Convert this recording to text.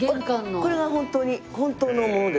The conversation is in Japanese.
これがホントに本当のもので。